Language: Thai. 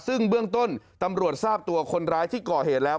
ซึ่งเบื้องต้นตำรวจทราบตัวคนร้ายที่ก่อเหตุแล้ว